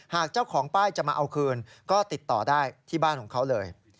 เจ้าของป้ายจะมาเอาคืนก็ติดต่อได้ที่บ้านของเขาเลย